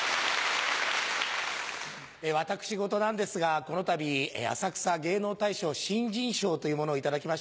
私事なんですがこのたび浅草芸能大賞新人賞というものを頂きました。